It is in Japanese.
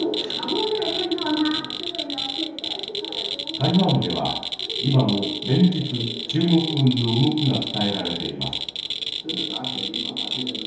台湾では今も連日中国軍の動きが伝えられています。